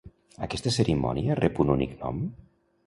Aquesta cerimònia rep un únic nom?